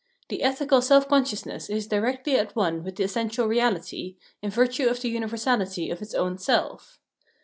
The ethical self consciousness is directly at one with the essential reality, in virtue of the universality of its own self.